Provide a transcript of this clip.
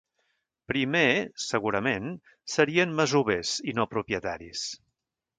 Primer, segurament, serien masovers i no propietaris.